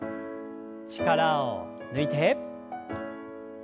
力を抜いて。